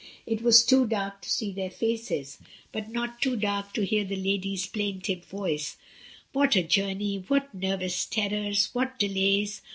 It was too dark to see their faces, but not too dark to hear the lady's plaintive voice — "What a journey! what nervous terrors! what delays!